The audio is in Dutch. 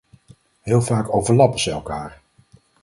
Heel vaak overlappen ze elkaar.